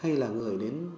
hay là người đến